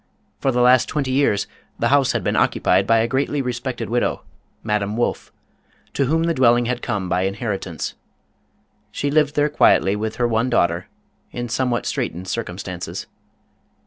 For the last twenty years the house had been occupied by a greatly respected widow, Madame Wolff, to whom the dwelling had come by inheritance. She lived there quietly with her one daughter, in somewhat straitened circumstances.